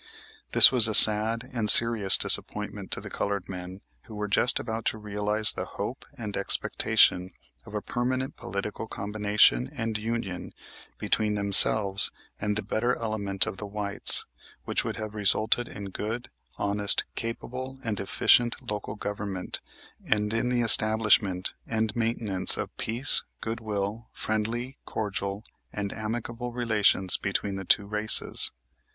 This was a sad and serious disappointment to the colored men who were just about to realize the hope and expectation of a permanent political combination and union between themselves and the better element of the whites, which would have resulted in good, honest, capable, and efficient local government and in the establishment and maintenance of peace, good will, friendly, cordial, and amicable relations between the two races.